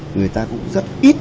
người ta cũng rất ít